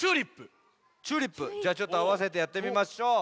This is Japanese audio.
じゃあちょっとあわせてやってみましょう。